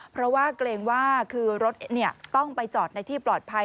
เพราะว่าเกรงว่าคือรถต้องไปจอดในที่ปลอดภัย